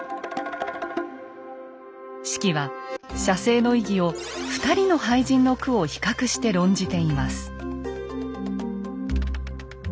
子規は写生の意義を２人の俳人の句を比較して論じています。